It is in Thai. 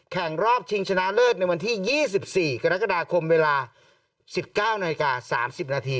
แข่งรอบชิงชนะเลิศในวันที่๒๔กรกฎาคมเวลา๑๙นาฬิกา๓๐นาที